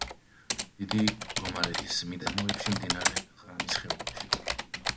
დიდი გომარეთის მიდამოებში, მდინარე ხრამის ხეობაში.